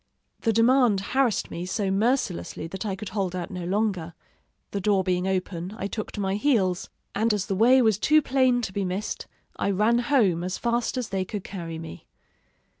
The demand harassed me so mercilessly that I could hold out no longer: the door being open, I took to my heels; and as the way was too plain to be missed, I ran home as fast as they could carry me.